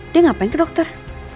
dia ngapain ke dokter